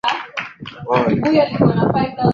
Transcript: The championship would have two stages.